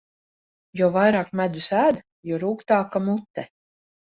Jo vairāk medus ēd, jo rūgtāka mute.